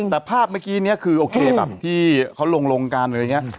แต่ภาพเมื่อกี้นี้คือโอเคแบบที่เขาลงกันอะไรอย่างนี้